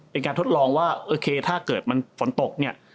เป็นการทดลองว่าโอเคถ้าเกิดมันฝนตกเนี่ย